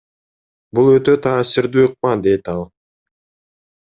Бул өтө таасирдүү ыкма, – дейт ал.